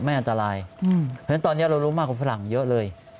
อันตรายเพราะฉะนั้นตอนนี้เรารู้มากกว่าฝรั่งเยอะเลย